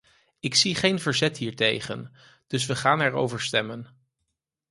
Ik zie geen verzet hiertegen, dus we gaan erover stemmen.